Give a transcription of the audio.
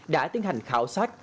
đã tiến hành khảo sát